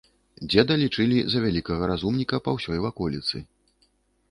Дзеда лічылі за вялікага разумніка па ўсёй ваколіцы.